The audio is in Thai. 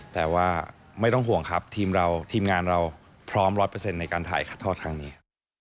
แต่ว่าไม่ต้องห่วงครับทีมงานเราพร้อมร้อยเปอร์เซ็นต์ในการถ่ายขัดทอดทางนี้